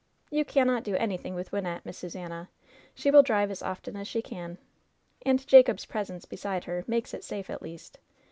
"You cannot do anything with Wynnette, Miss Su sannah. She will drive as often as she can. And Jacob's presence beside her makes it safe, at least.